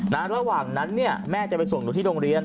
ระหว่างนั้นเนี่ยแม่จะไปส่งหนูที่โรงเรียน